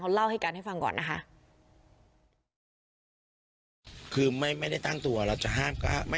เขาเล่าให้กันให้ฟังก่อนนะคะ